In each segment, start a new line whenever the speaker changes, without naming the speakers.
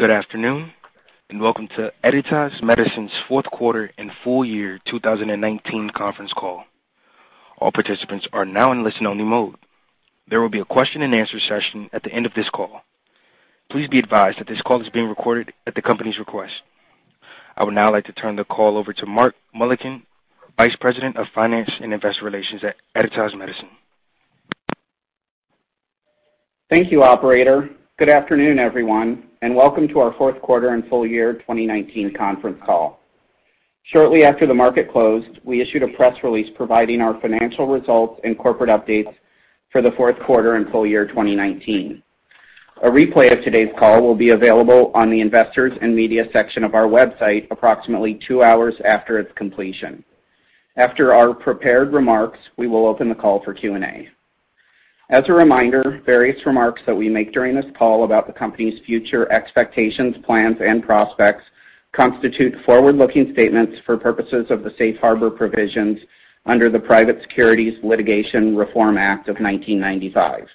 Good afternoon, and welcome to Editas Medicine's Fourth Quarter and Full Year 2019 Conference Call. All participants are now in listen-only mode. There will be a question-and-answer session at the end of this call. Please be advised that this call is being recorded at the company's request. I would now like to turn the call over to Mark Mullikin, Vice President of Finance and Investor Relations at Editas Medicine.
Thank you, operator. Good afternoon, everyone, and welcome to our Fourth Quarter and Full Year 2019 Conference Call. Shortly after the market closed, we issued a press release providing our financial results and corporate updates for the fourth quarter and full year 2019. A replay of today's call will be available on the investors and media section of our website approximately two hours after its completion. After our prepared remarks, we will open the call for Q&A. As a reminder, various remarks that we make during this call about the company's future expectations, plans, and prospects constitute forward-looking statements for purposes of the Safe Harbor Provisions under the Private Securities Litigation Reform Act of 1995.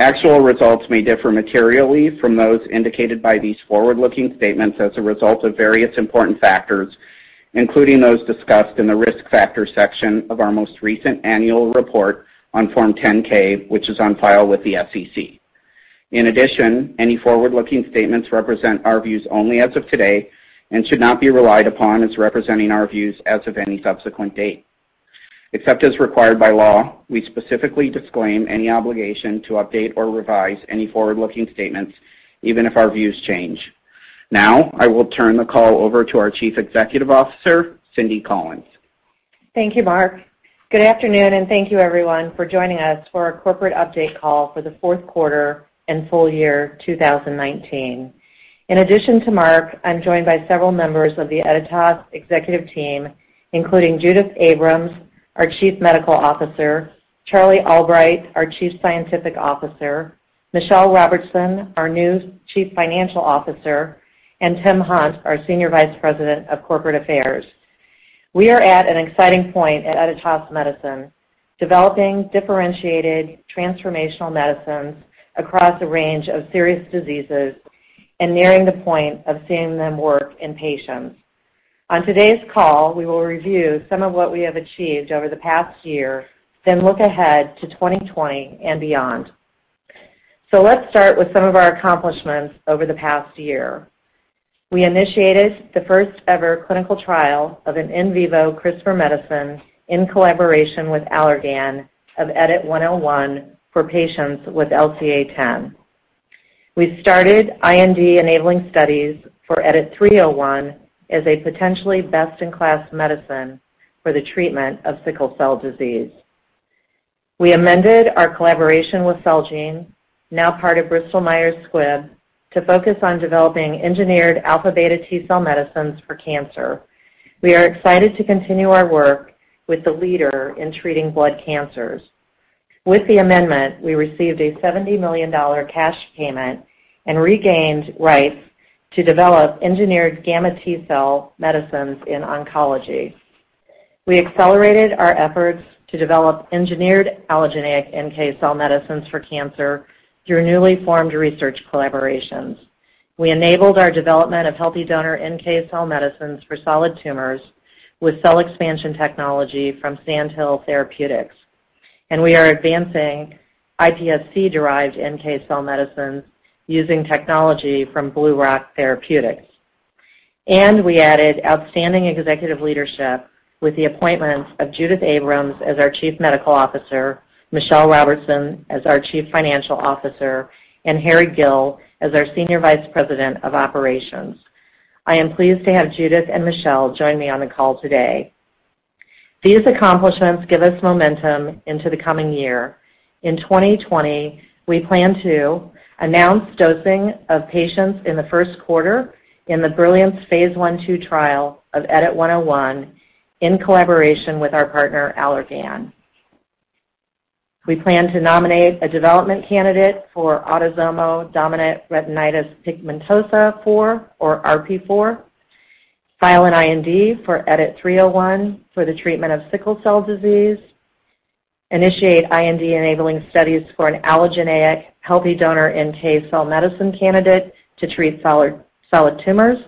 Actual results may differ materially from those indicated by these forward-looking statements as a result of various important factors, including those discussed in the Risk Factor section of our most recent annual report on Form 10-K, which is on file with the SEC. In addition, any forward-looking statements represent our views only as of today and should not be relied upon as representing our views as of any subsequent date. Except as required by law, we specifically disclaim any obligation to update or revise any forward-looking statements, even if our views change. Now, I will turn the call over to our Chief Executive Officer, Cindy Collins.
Thank you, Mark. Good afternoon. Thank you everyone for joining us for our corporate update call for the fourth quarter and full year 2019. In addition to Mark, I'm joined by several members of the Editas executive team, including Judith Abrams, our Chief Medical Officer, Charlie Albright, our Chief Scientific Officer, Michelle Robertson, our new Chief Financial Officer, and Tim Hunt, our Senior Vice President of Corporate Affairs. We are at an exciting point at Editas Medicine, developing differentiated transformational medicines across a range of serious diseases and nearing the point of seeing them work in patients. On today's call, we will review some of what we have achieved over the past year, then look ahead to 2020 and beyond. Let's start with some of our accomplishments over the past year. We initiated the first-ever clinical trial of an in vivo CRISPR medicine in collaboration with Allergan of EDIT-101 for patients with LCA10. We started IND enabling studies for EDIT-301 as a potentially best-in-class medicine for the treatment of sickle cell disease. We amended our collaboration with Celgene, now part of Bristol Myers Squibb, to focus on developing engineered alpha/beta T cell medicines for cancer. We are excited to continue our work with the leader in treating blood cancers. With the amendment, we received a $70 million cash payment and regained rights to develop engineered gamma T cell medicines in oncology. We accelerated our efforts to develop engineered allogeneic NK cell medicines for cancer through newly formed research collaborations. We enabled our development of healthy donor NK cell medicines for solid tumors with cell expansion technology from Sandhill Therapeutics, we are advancing iPSC-derived NK cell medicines using technology from BlueRock Therapeutics. We added outstanding executive leadership with the appointments of Judith Abrams as our Chief Medical Officer, Michelle Robertson as our Chief Financial Officer, and Harry Gill as our Senior Vice President of Operations. I am pleased to have Judith and Michelle join me on the call today. These accomplishments give us momentum into the coming year. In 2020, we plan to announce dosing of patients in the first quarter in the BRILLIANCE Phase 1/2 trial of EDIT-101 in collaboration with our partner, Allergan. We plan to nominate a development candidate for autosomal dominant retinitis pigmentosa 4, or RP4, file an IND for EDIT-301 for the treatment of sickle cell disease, initiate IND-enabling studies for an allogeneic healthy donor NK cell medicine candidate to treat solid tumors,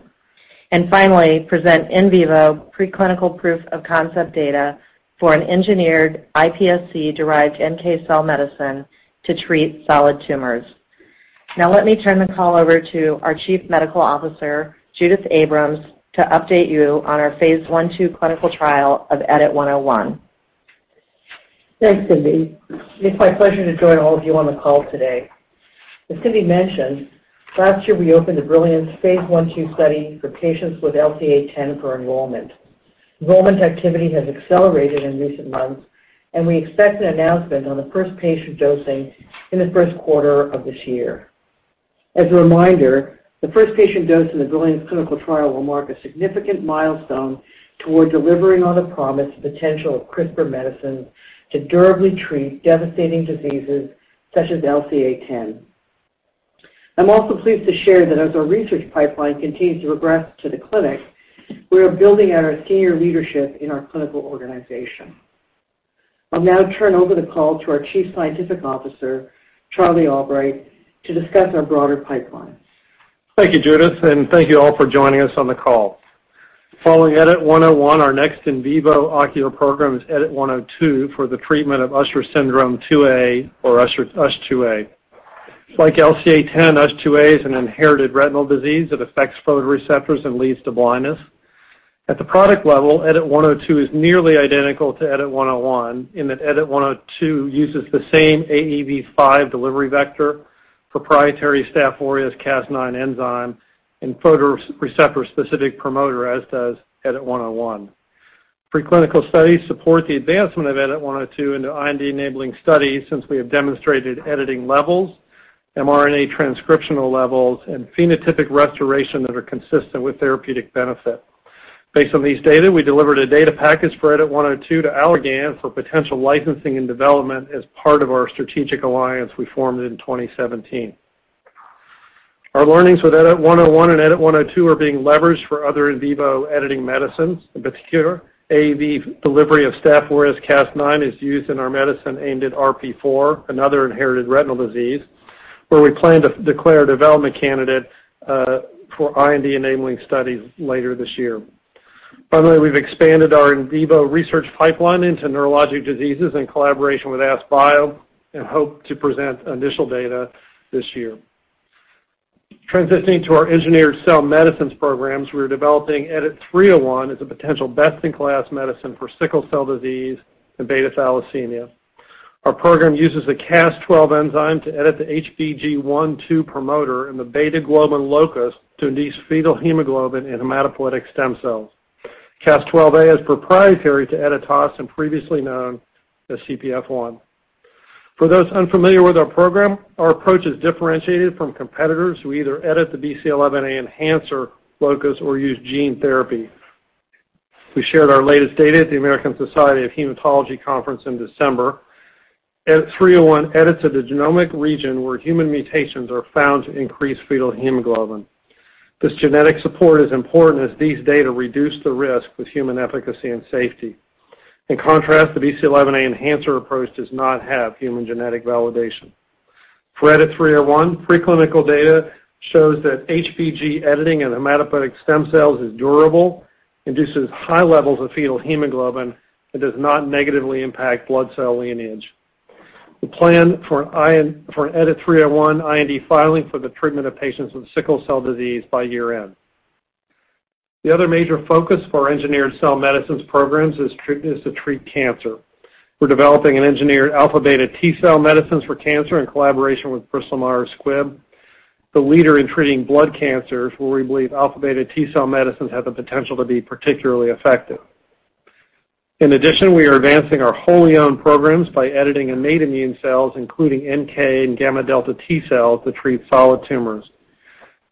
finally, present in vivo preclinical proof of concept data for an engineered iPSC-derived NK cell medicine to treat solid tumors. Let me turn the call over to our Chief Medical Officer, Judith Abrams, to update you on our Phase 1/2 clinical trial of EDIT-101.
Thanks, Cindy. It's my pleasure to join all of you on the call today. As Cindy mentioned, last year we opened the BRILLIANCE Phase 1/2 study for patients with LCA10 for enrollment. Enrollment activity has accelerated in recent months, we expect an announcement on the first patient dosing in the first quarter of this year. As a reminder, the first patient dose in the BRILLIANCE clinical trial will mark a significant milestone toward delivering on the promised potential of CRISPR medicine to durably treat devastating diseases such as LCA10. I'm also pleased to share that as our research pipeline continues to progress to the clinic, we are building out our senior leadership in our clinical organization. I'll now turn over the call to our Chief Scientific Officer, Charlie Albright, to discuss our broader pipeline.
Thank you, Judith, and thank you all for joining us on the call. Following EDIT-101, our next in vivo ocular program is EDIT-102 for the treatment of Usher syndrome 2A or USH2A. Like LCA10, USH2A is an inherited retinal disease that affects photoreceptors and leads to blindness. At the product level, EDIT-102 is nearly identical to EDIT-101 in that EDIT-102 uses the same AAV5 delivery vector, proprietary Staph aureus Cas9 enzyme, and photoreceptor-specific promoter, as does EDIT-101. Preclinical studies support the advancement of EDIT-102 into IND-enabling studies since we have demonstrated editing levels, mRNA transcriptional levels, and phenotypic restoration that are consistent with therapeutic benefit. Based on these data, we delivered a data package for EDIT-102 to Allergan for potential licensing and development as part of our strategic alliance we formed in 2017. Our learnings with EDIT-101 and EDIT-102 are being leveraged for other in vivo editing medicines. In particular, AAV delivery of Staph aureus Cas9 is used in our medicine aimed at RP4, another inherited retinal disease, where we plan to declare a development candidate for IND-enabling studies later this year. We've expanded our in vivo research pipeline into neurologic diseases in collaboration with AskBio and hope to present initial data this year. Transitioning to our engineered cell medicines programs, we're developing EDIT-301 as a potential best-in-class medicine for sickle cell disease and beta thalassemia. Our program uses a Cas12 enzyme to edit the HBG1-2 promoter in the beta globin locus to induce fetal hemoglobin in hematopoietic stem cells. Cas12a is proprietary to Editas and previously known as Cpf1. For those unfamiliar with our program, our approach is differentiated from competitors who either edit the BCL11A enhancer locus or use gene therapy. We shared our latest data at the American Society of Hematology Conference in December. EDIT-301 edits at the genomic region where human mutations are found to increase fetal hemoglobin. This genetic support is important as these data reduce the risk with human efficacy and safety. In contrast, the BCL11A enhancer approach does not have human genetic validation. For EDIT-301, preclinical data shows that HBG editing in hematopoietic stem cells is durable, induces high levels of fetal hemoglobin, and does not negatively impact blood cell lineage. We plan for an EDIT-301 IND filing for the treatment of patients with sickle cell disease by year-end. The other major focus for our engineered cell medicines programs is to treat cancer. We're developing an engineered alpha/beta T-cell medicines for cancer in collaboration with Bristol Myers Squibb, the leader in treating blood cancers, where we believe alpha/beta T-cell medicines have the potential to be particularly effective. We are advancing our wholly-owned programs by editing innate immune cells, including NK and gamma delta T-cells, to treat solid tumors.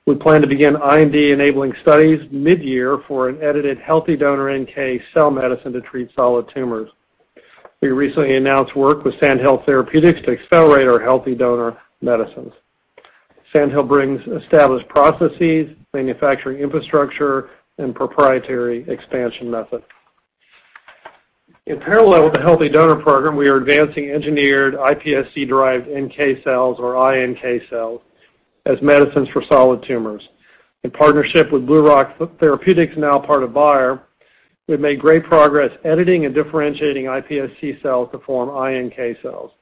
We plan to begin IND-enabling studies mid-year for an edited healthy donor NK cell medicine to treat solid tumors. We recently announced work with Sandhill Therapeutics to accelerate our healthy donor medicines. Sandhill brings established processes, manufacturing infrastructure, and proprietary expansion methods. In parallel with the healthy donor program, we are advancing engineered iPSC-derived NK cells, or iNK cells, as medicines for solid tumors. In partnership with BlueRock Therapeutics, now part of Bayer, we've made great progress editing and differentiating iPSC cells to form iNK cells.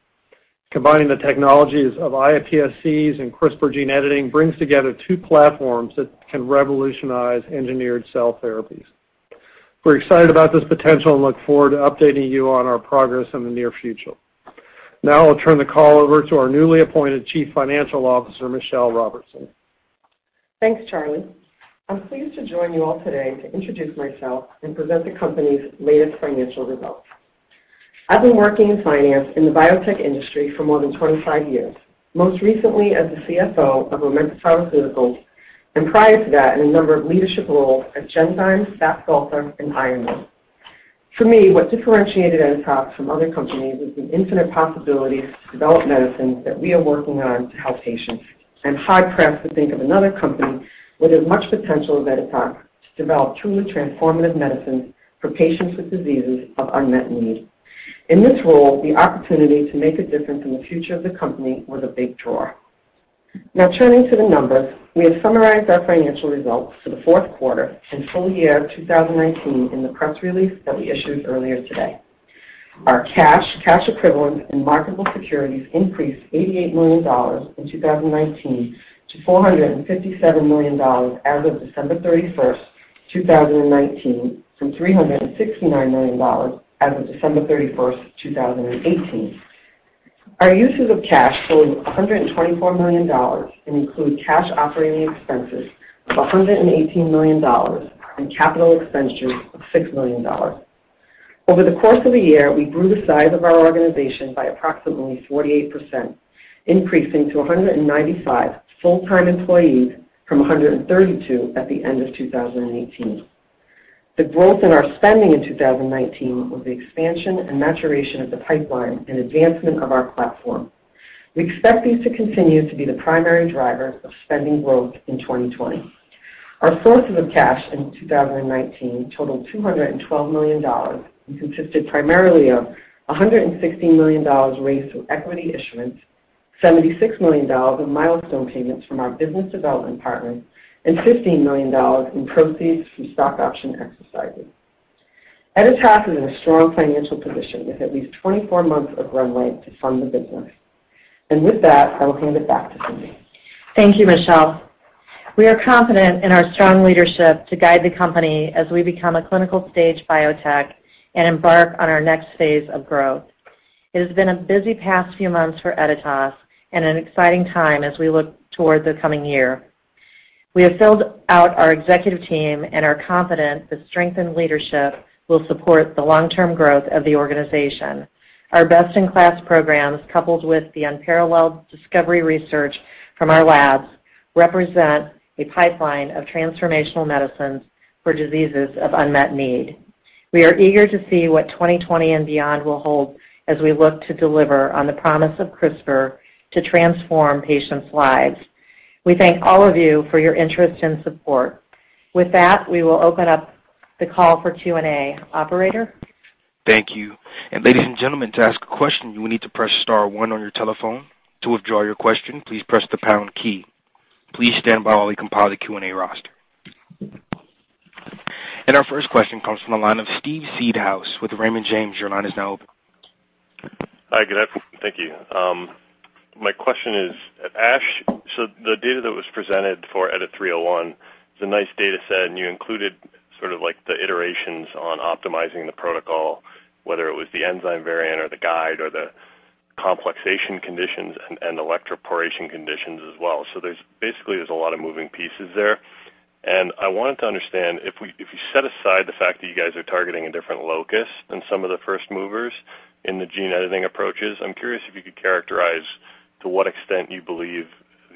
Combining the technologies of iPSCs and CRISPR gene editing brings together two platforms that can revolutionize engineered cell therapies. We're excited about this potential and look forward to updating you on our progress in the near future. Now I'll turn the call over to our newly appointed Chief Financial Officer, Michelle Robertson.
Thanks, Charlie. I'm pleased to join you all today to introduce myself and present the company's latest financial results. I've been working in finance in the biotech industry for more than 25 years, most recently as the CFO of Momenta Pharmaceuticals, and prior to that in a number of leadership roles at Genzyme, Stath Galfar, and Ionis. For me, what differentiated Editas from other companies is the infinite possibilities to develop medicines that we are working on to help patients. I'm hard-pressed to think of another company with as much potential as Editas to develop truly transformative medicines for patients with diseases of unmet need. In this role, the opportunity to make a difference in the future of the company was a big draw. Now turning to the numbers, we have summarized our financial results for the fourth quarter and full year 2019 in the press release that we issued earlier today. Our cash equivalents, and marketable securities increased $88 million in 2019 to $457 million as of December 31st, 2019, from $369 million as of December 31st, 2018. Our uses of cash totaled $124 million and include cash operating expenses of $118 million and capital expenditures of $6 million. Over the course of the year, we grew the size of our organization by approximately 48%, increasing to 195 full-time employees from 132 at the end of 2018. The growth in our spending in 2019 was the expansion and maturation of the pipeline and advancement of our platform. We expect these to continue to be the primary driver of spending growth in 2020. Our sources of cash in 2019 totaled $212 million and consisted primarily of $116 million raised through equity issuance, $76 million in milestone payments from our business development partners, and $15 million in proceeds from stock option exercises. Editas Medicine is in a strong financial position with at least 24 months of runway to fund the business. With that, I will hand it back to Cindy.
Thank you, Michelle. We are confident in our strong leadership to guide the company as we become a clinical-stage biotech and embark on our next phase of growth. It has been a busy past few months for Editas and an exciting time as we look toward the coming year. We have filled out our executive team and are confident the strengthened leadership will support the long-term growth of the organization. Our best-in-class programs, coupled with the unparalleled discovery research from our labs, represent a pipeline of transformational medicines for diseases of unmet need. We are eager to see what 2020 and beyond will hold as we look to deliver on the promise of CRISPR to transform patients' lives. We thank all of you for your interest and support. With that, we will open up the call for Q&A. Operator?
Thank you. Ladies and gentlemen, to ask a question, you will need to press star one on your telephone. To withdraw your question, please press the pound key. Please stand by while we compile the Q&A roster. Our first question comes from the line of Steve Seedhouse with Raymond James. Your line is now open.
Hi, good afternoon. Thank you. My question is, at ASH, the data that was presented for EDIT-301, it's a nice data set, and you included sort of the iterations on optimizing the protocol, whether it was the enzyme variant or the guide or the complexation conditions and electroporation conditions as well. Basically, there's a lot of moving pieces there. I wanted to understand, if you set aside the fact that you guys are targeting a different locus than some of the first movers in the gene editing approaches, I'm curious if you could characterize to what extent you believe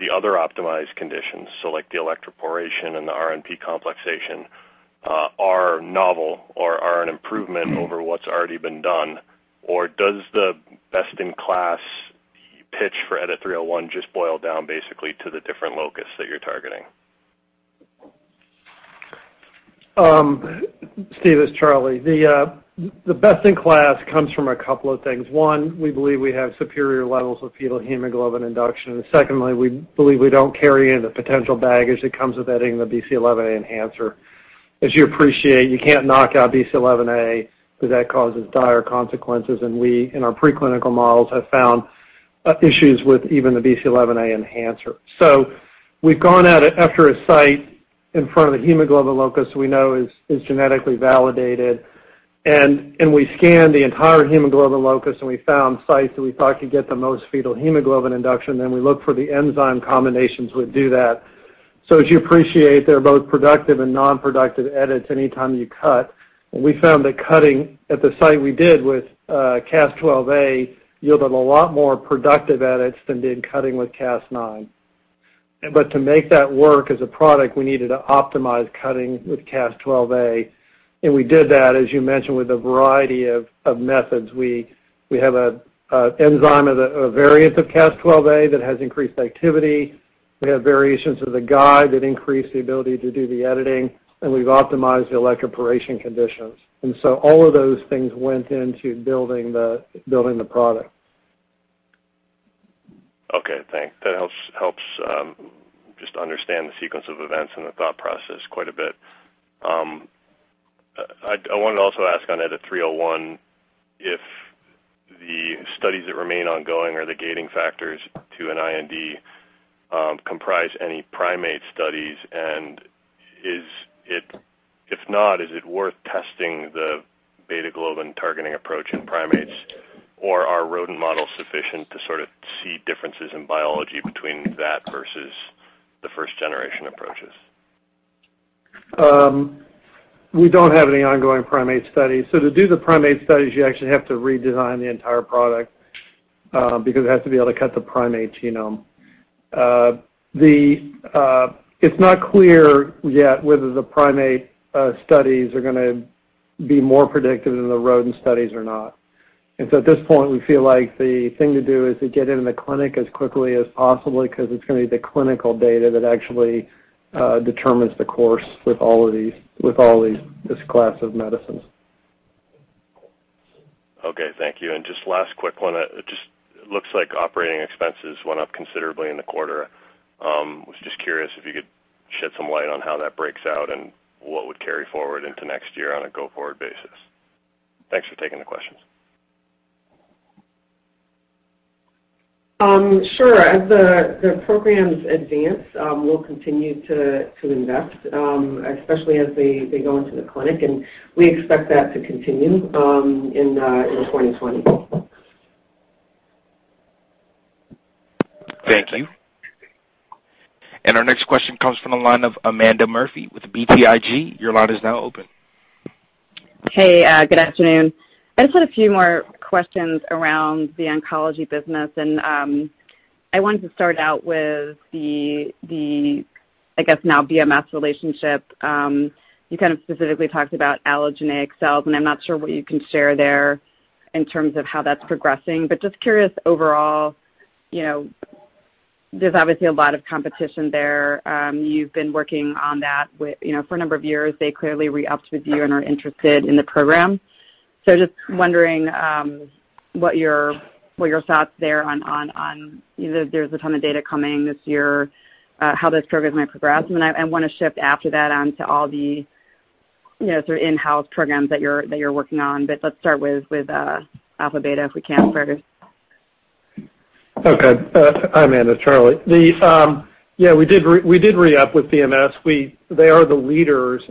the other optimized conditions, like the electroporation and the RNP complexation, are novel or are an improvement over what's already been done, or does the best-in-class pitch for EDIT-301 just boil down basically to the different locus that you're targeting?
Steve, it's Charlie. The best in class comes from a couple of things. One, we believe we have superior levels of fetal hemoglobin induction, and secondly, we believe we don't carry any of the potential baggage that comes with editing the BCL11A enhancer. As you appreciate, you can't knock out BCL11A because that causes dire consequences, and we, in our preclinical models, have found issues with even the BCL11A enhancer. We've gone out after a site in front of the hemoglobin locus we know is genetically validated, and we scanned the entire hemoglobin locus, and we found sites that we thought could get the most fetal hemoglobin induction, and we looked for the enzyme combinations that would do that. As you appreciate, they're both productive and non-productive edits anytime you cut. We found that cutting at the site we did with Cas12a yielded a lot more productive edits than did cutting with Cas9. To make that work as a product, we needed to optimize cutting with Cas12a, and we did that, as you mentioned, with a variety of methods. We have an enzyme of a variant of Cas12a that has increased activity. We have variations of the guide that increase the ability to do the editing, and we've optimized the electroporation conditions. All of those things went into building the product.
Okay, thanks. That helps just understand the sequence of events and the thought process quite a bit. I wanted to also ask on EDIT-301 if the studies that remain ongoing are the gating factors to an IND comprise any primate studies and if not, is it worth testing the beta-globin targeting approach in primates, or are rodent models sufficient to sort of see differences in biology between that versus the first-generation approaches?
We don't have any ongoing primate studies. To do the primate studies, you actually have to redesign the entire product because it has to be able to cut the primate genome. It's not clear yet whether the primate studies are going to be more predictive than the rodent studies or not. At this point, we feel like the thing to do is to get into the clinic as quickly as possible because it's going to be the clinical data that actually determines the course with all this class of medicines.
Okay, thank you. Just last quick one. It just looks like operating expenses went up considerably in the quarter. I was just curious if you could shed some light on how that breaks out and what would carry forward into next year on a go-forward basis. Thanks for taking the questions.
Sure. As the programs advance, we'll continue to invest, especially as they go into the clinic, and we expect that to continue in 2020.
Thank you. Our next question comes from the line of Amanda Murphy with BTIG. Your line is now open.
Hey, good afternoon. I just had a few more questions around the oncology business. I wanted to start out with the, I guess now BMS relationship. You kind of specifically talked about allogeneic cells. I'm not sure what you can share there in terms of how that's progressing, just curious overall. There's obviously a lot of competition there. You've been working on that for a number of years. They clearly re-upped with you and are interested in the program. Just wondering what your thoughts there on either there's a ton of data coming this year, how those programs might progress. I want to shift after that on to all the sort of in-house programs that you're working on. Let's start with alpha-beta, if we can first.
Okay. Hi, Amanda. Charlie. Yeah, we did re-up with BMS. They are the leaders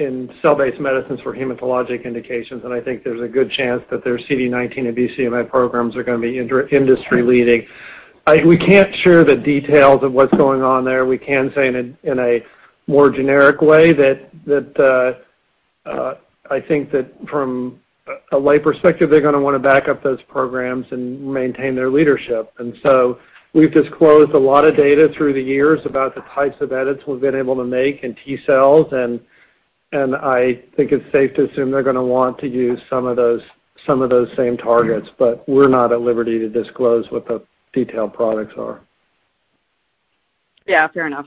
in cell-based medicines for hematologic indications, and I think there's a good chance that their CD19 and BCMA programs are going to be industry-leading. We can't share the details of what's going on there. We can say in a more generic way that I think that from a lay perspective, they're going to want to back up those programs and maintain their leadership. We've disclosed a lot of data through the years about the types of edits we've been able to make in T cells, and I think it's safe to assume they're going to want to use some of those same targets, but we're not at liberty to disclose what the detailed products are.
Yeah, fair enough.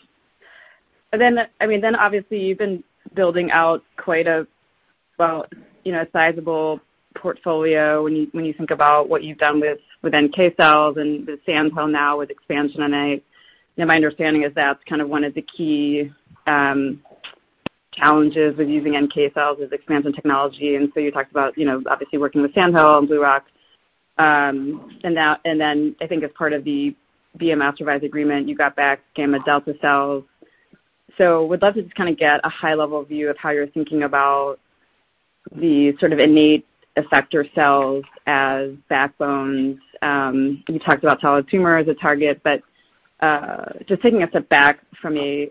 Obviously you've been building out quite a sizable portfolio when you think about what you've done with NK cells and with Sandhill now with expansion. My understanding is that's one of the key challenges with using NK cells is expansion technology. You talked about obviously working with Sandhill and BlueRock. I think as part of the BMS master service agreement, you got back gamma delta cells. Would love to just get a high-level view of how you're thinking about the sort of innate effector cells as backbones. You talked about solid tumor as a target, but just taking a step back from a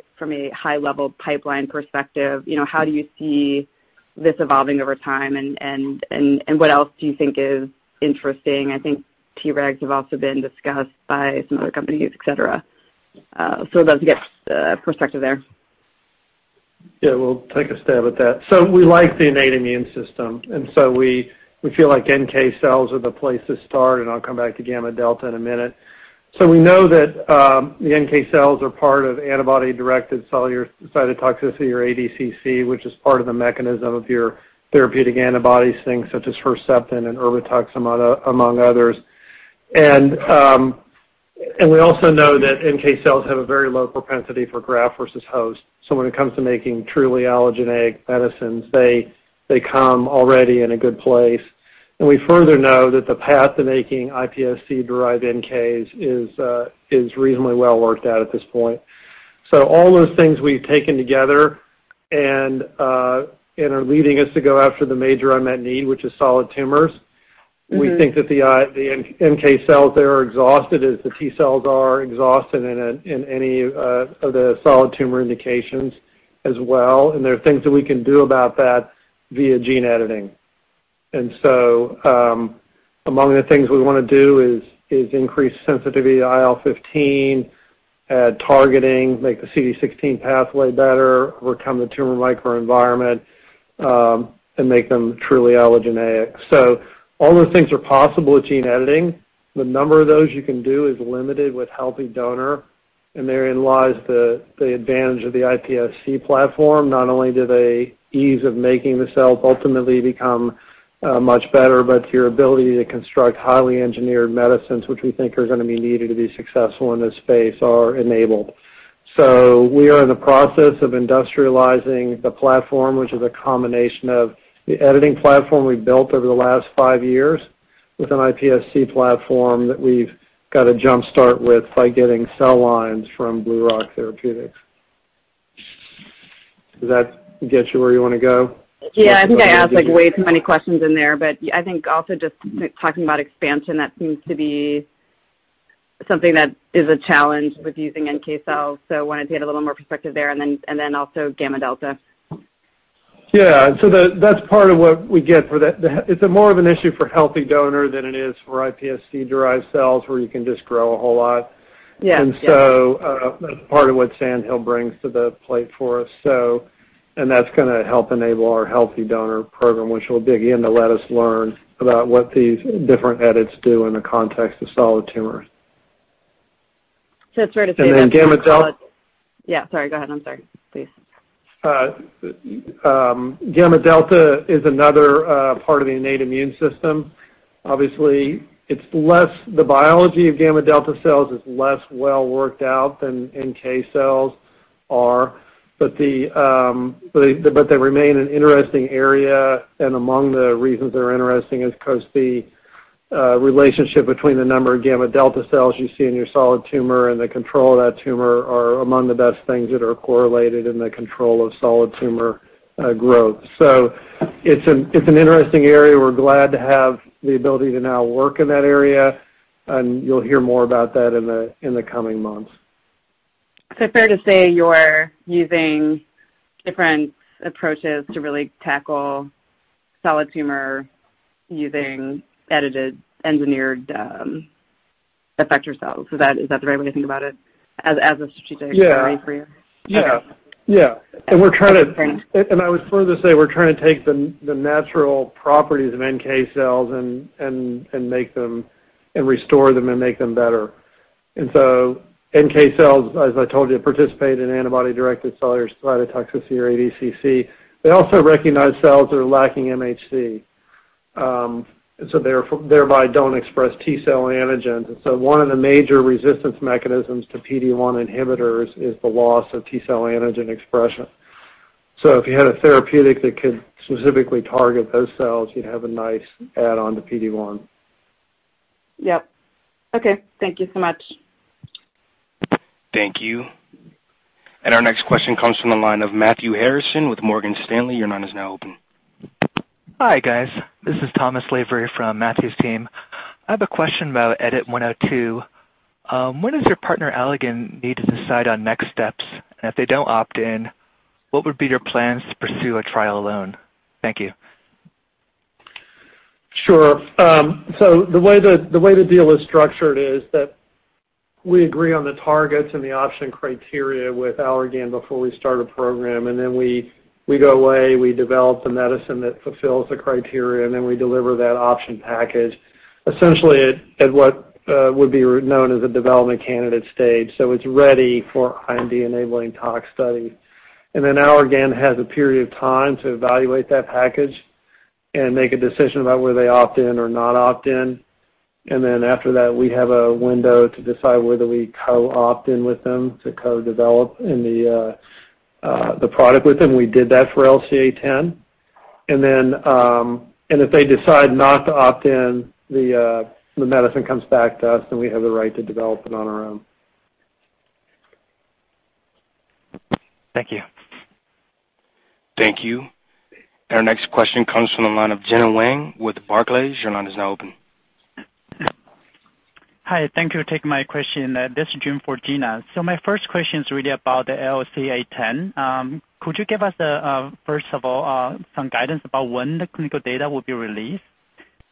high-level pipeline perspective, how do you see this evolving over time, and what else do you think is interesting? I think T regs have also been discussed by some other companies, et cetera. I'd love to get perspective there.
Yeah. We'll take a stab at that. We like the innate immune system, we feel like NK cells are the place to start, and I'll come back to gamma delta in a minute. We know that the NK cells are part of antibody-directed cellular cytotoxicity, or ADCC, which is part of the mechanism of your therapeutic antibodies, things such as Herceptin and Erbitux, among others. We also know that NK cells have a very low propensity for graft versus host. When it comes to making truly allogeneic medicines, they come already in a good place. We further know that the path to making iPSC-derived NK is reasonably well worked out at this point. All those things we've taken together and are leading us to go after the major unmet need, which is solid tumors. We think that the NK cells there are exhausted, as the T cells are exhausted in any of the solid tumor indications as well. There are things that we can do about that via gene editing. Among the things we want to do is increase sensitivity to IL-15, add targeting, make the CD16 pathway better, overcome the tumor microenvironment, and make them truly allogeneic. All those things are possible with gene editing. The number of those you can do is limited with healthy donor and therein lies the advantage of the iPSC platform. Not only do they ease of making the cell ultimately become much better, but your ability to construct highly engineered medicines, which we think are going to be needed to be successful in this space, are enabled. We are in the process of industrializing the platform, which is a combination of the editing platform we've built over the last five years with an iPSC platform that we've got a jumpstart with by getting cell lines from BlueRock Therapeutics. Does that get you where you want to go?
Yeah. I think I asked way too many questions in there, but I think also just talking about expansion, that seems to be something that is a challenge with using NK cells, so wanted to get a little more perspective there, and then also gamma delta.
That's part of what we get for that. It's more of an issue for healthy donor than it is for iPSC-derived cells, where you can just grow a whole lot.
Yeah.
That's part of what Sandhill brings to the plate for us. That's going to help enable our healthy donor program, which will dig in to let us learn about what these different edits do in the context of solid tumors.
It's fair to say.
And then gamma delta
Yeah, sorry, go ahead. I'm sorry. Please.
Gamma delta is another part of the innate immune system. Obviously, the biology of gamma delta cells is less well worked out than NK cells are, but they remain an interesting area, and among the reasons they're interesting is because the relationship between the number of gamma delta cells you see in your solid tumor and the control of that tumor are among the best things that are correlated in the control of solid tumor growth. It's an interesting area. We're glad to have the ability to now work in that area, and you'll hear more about that in the coming months.
Fair to say you're using different approaches to really tackle solid tumor using edited, engineered effector cells. Is that the right way to think about it? As of strategic priority for you?
Yeah. I would further say we're trying to take the natural properties of NK cells and restore them and make them better. NK cells, as I told you, participate in antibody-directed cellular cytotoxicity, or ADCC. They also recognize cells that are lacking MHC. Thereby don't express T-cell antigens. One of the major resistance mechanisms to PD-1 inhibitors is the loss of T cell antigen expression. If you had a therapeutic that could specifically target those cells, you'd have a nice add-on to PD-1.
Yep. Okay. Thank you so much.
Thank you. Our next question comes from the line of Matthew Harrison with Morgan Stanley. Your line is now open.
Hi, guys. This is Thomas Lavery from Matthew's team. I have a question about EDIT-102. When does your partner, Allergan, need to decide on next steps? If they don't opt in, what would be your plans to pursue a trial alone? Thank you.
Sure. The way the deal is structured is that we agree on the targets and the option criteria with Allergan before we start a program, we go away, we develop the medicine that fulfills the criteria, and we deliver that option package, essentially at what would be known as a development candidate stage. It's ready for IND-enabling tox studies. Allergan has a period of time to evaluate that package and make a decision about whether they opt in or not opt in. After that, we have a window to decide whether we co-opt in with them to co-develop the product with them. We did that for LCA10. If they decide not to opt in, the medicine comes back to us, and we have the right to develop it on our own.
Thank you.
Thank you. Our next question comes from the line of Gena Wang with Barclays. Your line is now open.
Hi, thank you for taking my question. This is Jun for Gena. My first question is really about the LCA10. Could you give us, first of all, some guidance about when the clinical data will be released?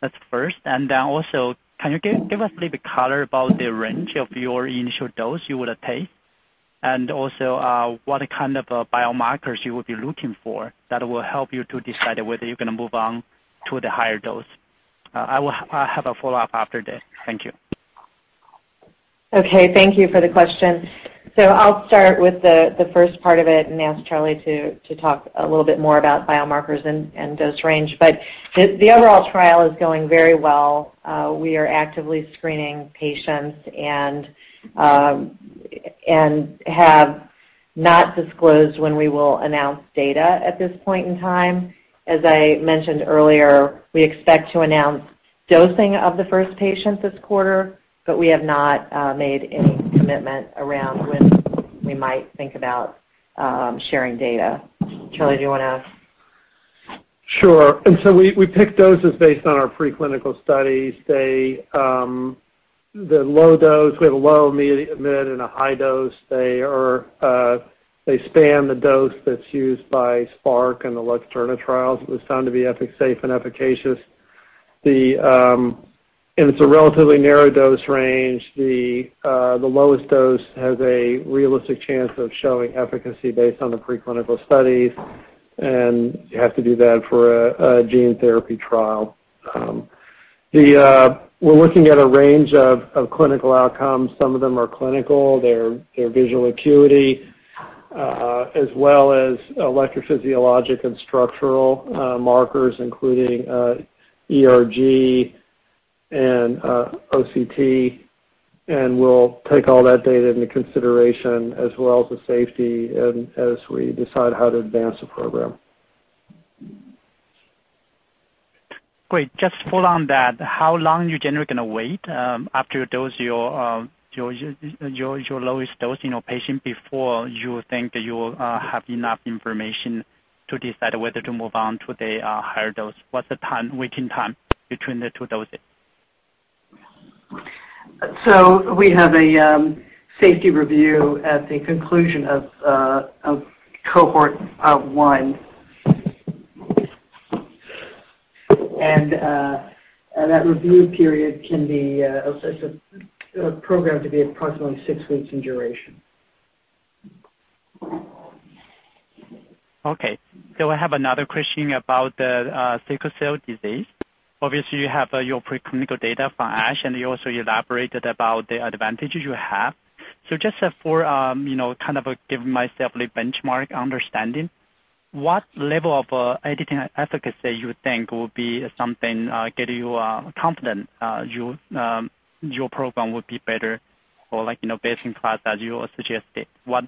That's first. Also, can you give us a little bit color about the range of your initial dose you will take? Also, what kind of biomarkers you will be looking for that will help you to decide whether you're going to move on to the higher dose. I have a follow-up after this. Thank you.
Okay. Thank you for the question. I'll start with the first part of it and ask Charlie to talk a little bit more about biomarkers and dose range. The overall trial is going very well. We are actively screening patients and have not disclosed when we will announce data at this point in time. As I mentioned earlier, we expect to announce dosing of the first patient this quarter, but we have not made any commitment around when we might think about sharing data. Charlie, do you want to add?
Sure. We pick doses based on our pre-clinical studies. The low dose, we have a low, intermediate, and a high dose. They span the dose that's used by Spark and the LUXTURNA trials. It was found to be safe and efficacious. It's a relatively narrow dose range. The lowest dose has a realistic chance of showing efficacy based on the pre-clinical studies, and you have to do that for a gene therapy trial. We're looking at a range of clinical outcomes. Some of them are clinical. They're visual acuity as well as electrophysiologic and structural markers, including ERG and OCT. We'll take all that data into consideration as well as the safety as we decide how to advance the program.
Great. Just to follow on that, how long are you generally going to wait after you dose your lowest dose in a patient before you think that you have enough information to decide whether to move on to the higher dose? What's the time, waiting time between the two doses?
We have a safety review at the conclusion of cohort 1. That review period can be programmed to be approximately six weeks in duration.
Okay. I have another question about the sickle cell disease. Obviously, you have your pre-clinical data from ASH, and you also elaborated about the advantages you have. Just for giving myself a benchmark understanding, what level of editing efficacy you think will be something getting you confident your program would be better or basing plus, as you suggested. What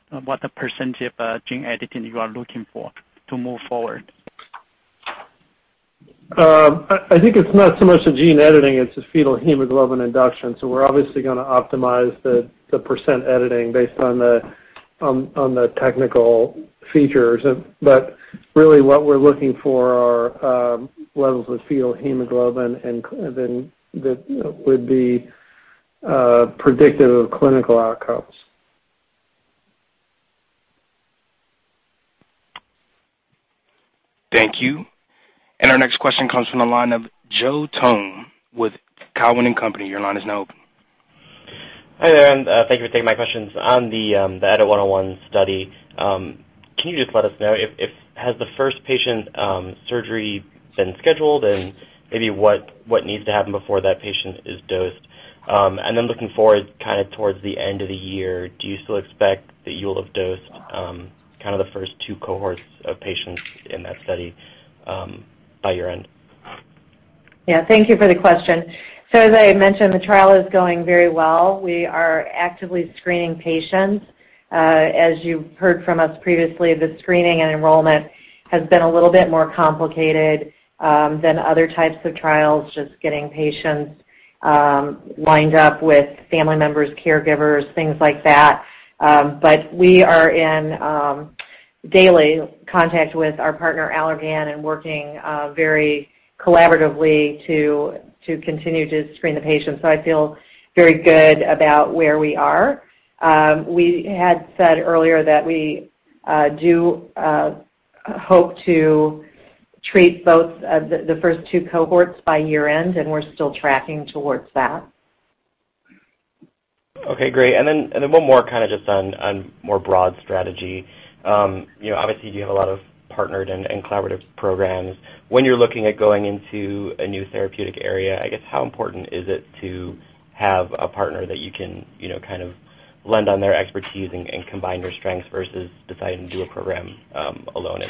percentage of gene editing you are looking for to move forward?
I think it's not so much the gene editing, it's the fetal hemoglobin induction. We're obviously going to optimize the percent editing based on the technical features. Really what we're looking for are levels of fetal hemoglobin, that would be predictive of clinical outcomes.
Thank you. Our next question comes from the line of Joe Thome with Cowen and Company. Your line is now open.
Hi there, thank you for taking my questions on the EDIT-101 study. Can you just let us know, has the first patient surgery been scheduled, and maybe what needs to happen before that patient is dosed? Looking forward towards the end of the year, do you still expect that you'll have dosed the first two cohorts of patients in that study by year-end?
Yeah. Thank you for the question. As I mentioned, the trial is going very well. We are actively screening patients. As you've heard from us previously, the screening and enrollment has been a little bit more complicated than other types of trials, just getting patients lined up with family members, caregivers, things like that. We are in daily contact with our partner, Allergan, and working very collaboratively to continue to screen the patients. I feel very good about where we are. We had said earlier that we do hope to treat both the first two cohorts by year-end, and we're still tracking towards that.
Okay, great. One more just on more broad strategy. Obviously, you have a lot of partnered and collaborative programs. When you're looking at going into a new therapeutic area, I guess, how important is it to have a partner that you can lend on their expertise and combine your strengths versus deciding to do a program alone?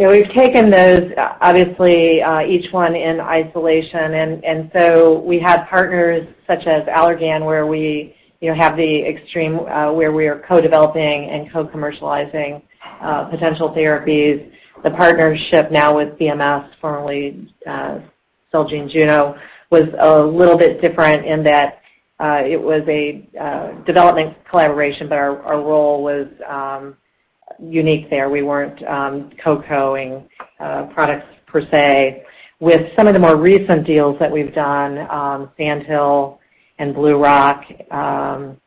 Yeah, we've taken those, obviously, each one in isolation, and so we have partners such as Allergan, where we are co-developing and co-commercializing potential therapies. The partnership now with BMS, formerly Celgene Juno, was a little bit different in that it was a development collaboration, but our role was unique there. We weren't co-ing products per se. With some of the more recent deals that we've done, Sandhill and BlueRock,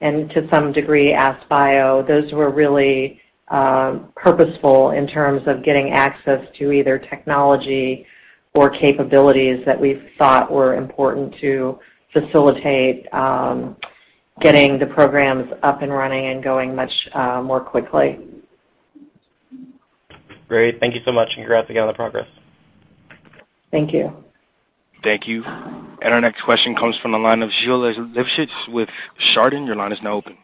and to some degree, AskBio, those were really purposeful in terms of getting access to either technology or capabilities that we thought were important to facilitate getting the programs up and running and going much more quickly.
Great. Thank you so much. Congrats again on the progress.
Thank you.
Thank you. Our next question comes from the line of Geulah Livshits with Chardan. Your line is now open.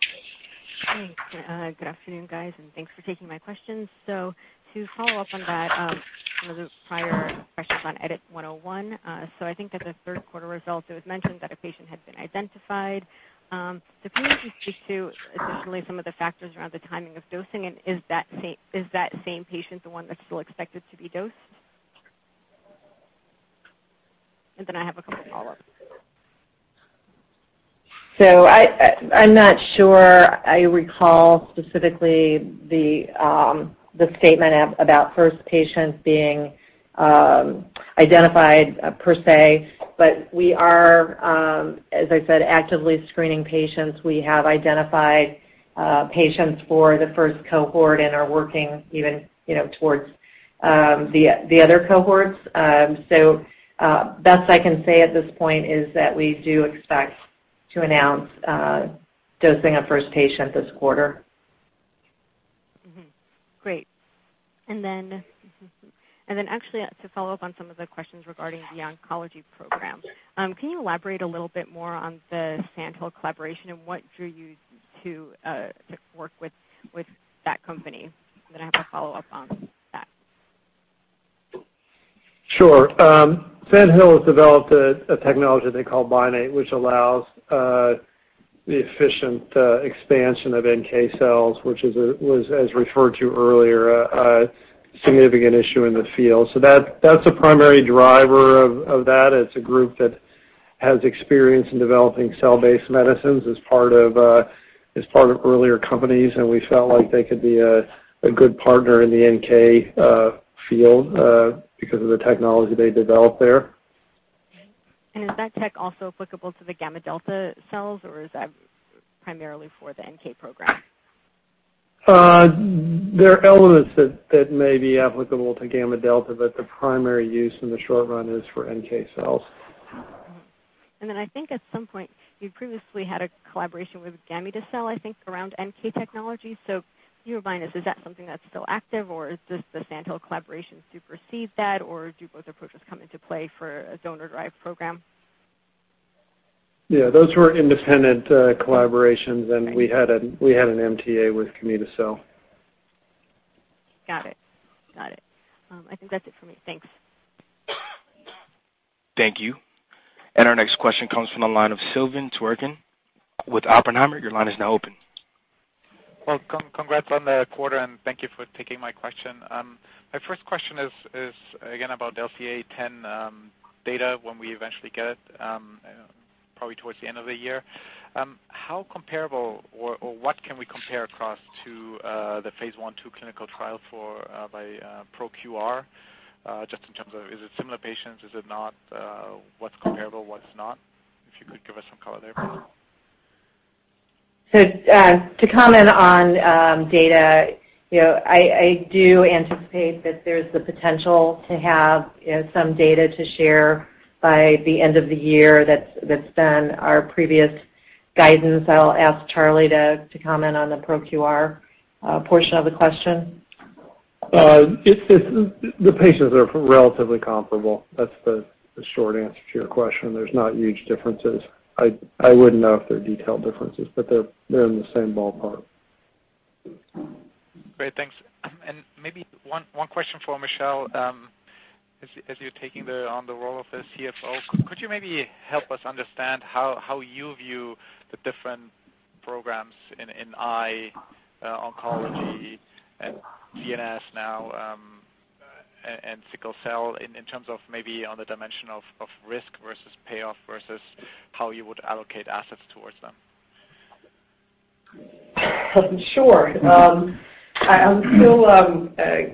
Thanks. Good afternoon, guys, and thanks for taking my questions. To follow up on that, some of the prior questions on EDIT-101. I think at the third quarter results, it was mentioned that a patient had been identified. Can you just speak to potentially some of the factors around the timing of dosing? Is that same patient the one that's still expected to be dosed? I have a couple follow-ups.
I'm not sure I recall specifically the statement about first patients being identified per se. We are, as I said, actively screening patients. We have identified patients for the first cohort and are working even towards the other cohorts. Best I can say at this point is that we do expect to announce dosing a first patient this quarter.
Great. And then, actually to follow up on some of the questions regarding the oncology program, can you elaborate a little bit more on the Sandhill collaboration and what drew you to work with that company? I have a follow-up on that.
Sure. Sandhill has developed a technology they call BINATE, which allows the efficient expansion of NK cells, which was as referred to earlier, a significant issue in the field. That's a primary driver of that. It's a group that has experience in developing cell-based medicines as part of earlier companies, and we felt like they could be a good partner in the NK field because of the technology they developed there.
Is that tech also applicable to the gamma delta cells, or is that primarily for the NK program?
There are elements that may be applicable to gamma delta, but the primary use in the short run is for NK cells.
At some point you previously had a collaboration with Gamida Cell around NK technology. You were buying this. Is that something that's still active, or does the Sandhill collaboration supersede that, or do both approaches come into play for a donor-derived program?
Yeah, those were independent collaborations, and we had an MTA with Gamida Cell.
Got it, got it. I think that's it for me. Thanks.
Thank you. Our next question comes from the line of Silvan Türkcan with Oppenheimer. Your line is now open.
Well, congrats on the quarter, and thank you for taking my question. My first question is again about the LCA10 data, when we eventually get it, probably towards the end of the year. How comparable or what can we compare across to the Phase 1/2 clinical trial by ProQR, just in terms of is it similar patients, is it not? What's comparable, what's not? If you could give us some color there.
To comment on data, I do anticipate that there's the potential to have some data to share by the end of the year. That's been our previous guidance. I'll ask Charlie to comment on the ProQR portion of the question.
The patients are relatively comparable. That's the short answer to your question. There's not huge differences. I wouldn't know if they're detailed differences, but they're in the same ballpark.
Great. Thanks. Maybe one question for Michelle, as you're taking on the role of the CFO, could you maybe help us understand how you view the different programs in eye oncology and CNS now, and sickle cell in terms of maybe on the dimension of risk versus payoff, versus how you would allocate assets towards them?
Sure. I'm still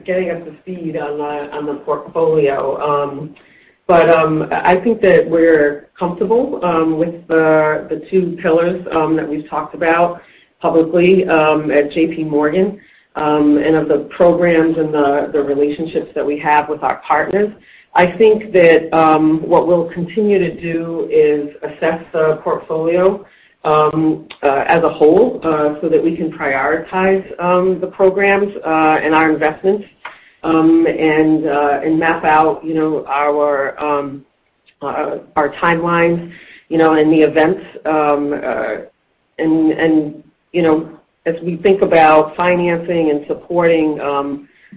getting up to speed on the portfolio. I think that we're comfortable with the two pillars that we've talked about publicly at JPMorgan, and of the programs and the relationships that we have with our partners. I think that what we'll continue to do is assess the portfolio as a whole so that we can prioritize the programs and our investments and map out our timelines and the events. As we think about financing and supporting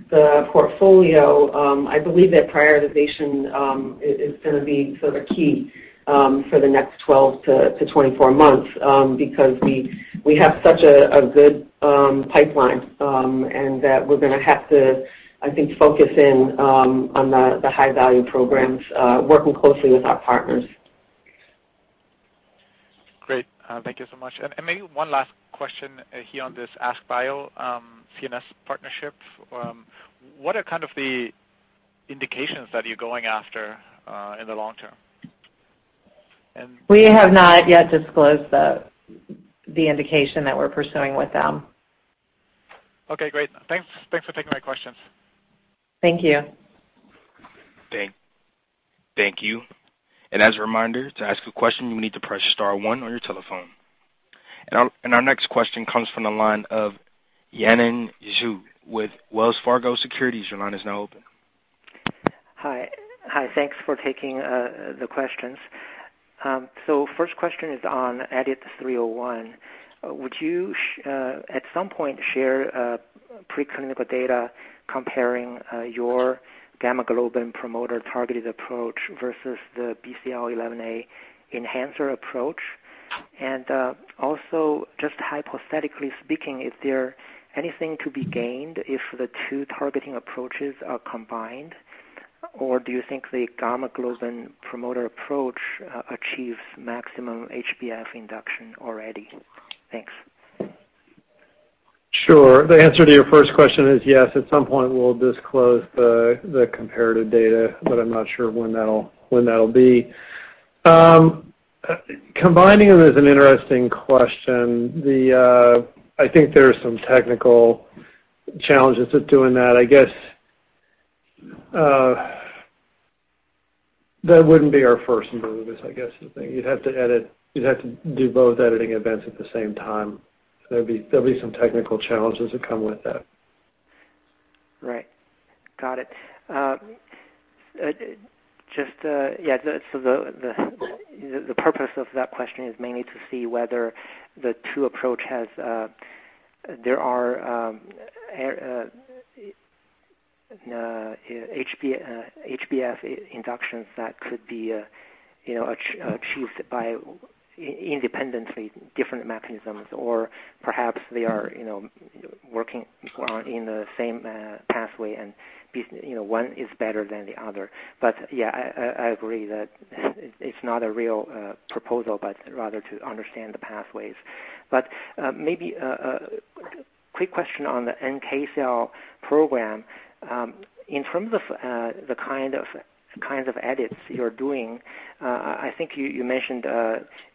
the portfolio, I believe that prioritization is going to be key for the next 12-24 months, because we have such a good pipeline and that we're going to have to, I think, focus in on the high-value programs, working closely with our partners.
Great. Thank you so much. Maybe one last question here on this AskBio CNS partnership. What are the indications that you're going after in the long term?
We have not yet disclosed the indication that we're pursuing with them.
Okay, great. Thanks for taking my questions.
Thank you.
Thank you. As a reminder, to ask a question, you will need to press star 1 on your telephone. Our next question comes from the line of Yanan Zhu with Wells Fargo Securities. Your line is now open.
Hi. Thanks for taking the questions. First question is on EDIT-301. Would you, at some point, share preclinical data comparing your gamma globin promoter-targeted approach versus the BCL11A enhancer approach? Also, just hypothetically speaking, is anything to be gained if the two targeting approaches are combined? Do you think the gamma globin promoter approach achieves maximum HBF induction already? Thanks.
Sure. The answer to your first question is yes, at some point, we'll disclose the comparative data, but I'm not sure when that'll be. Combining them is an interesting question. I think there are some technical challenges with doing that. I guess, that wouldn't be our first move is, I guess, the thing. You'd have to do both editing events at the same time. There'd be some technical challenges that come with that.
Right. Got it. The purpose of that question is mainly to see whether the two approach has HBF inductions that could be achieved by independently different mechanisms. Perhaps they are working in the same pathway and one is better than the other. Yeah, I agree that it's not a real proposal, but rather to understand the pathways. Maybe a quick question on the NK cell program. In terms of the kinds of edits you're doing, I think you mentioned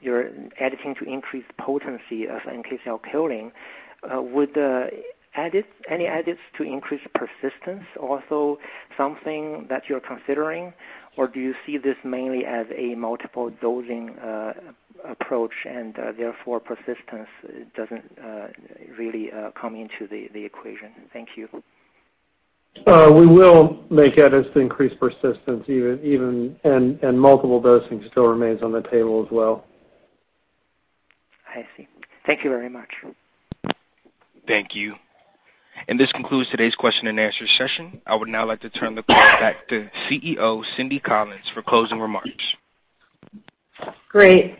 you're editing to increase potency of NK cell killing. Would any edits to increase persistence also something that you're considering? Do you see this mainly as a multiple dosing approach, and therefore, persistence doesn't really come into the equation? Thank you.
We will make edits to increase persistence even, and multiple dosing still remains on the table as well.
I see. Thank you very much.
Thank you. This concludes today's question and answer session. I would now like to turn the call back to CEO Cindy Collins for closing remarks.
Great.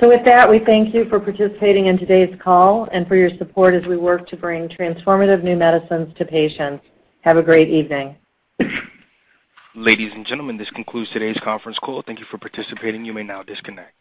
With that, we thank you for participating in today's call and for your support as we work to bring transformative new medicines to patients. Have a great evening.
Ladies and gentlemen, this concludes today's conference call. Thank you for participating. You may now disconnect.